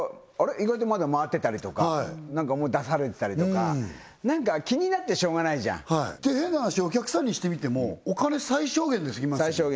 意外とまだ回ってたりとかもう出されてたりとか何か気になってしょうがないじゃん変な話お客さんにしてみてもお金最小限で済みますよね